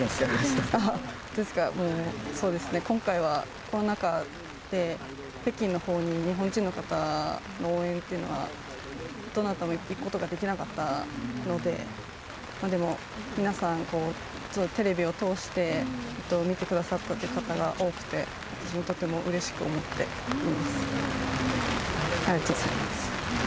そうですね、今回はコロナ禍で、北京のほうに日本人の方の応援というのは、どなたも行くことができなかったので、でも皆さんテレビを通して見てくださったという方が多くて、私もとてもうれしく思っています。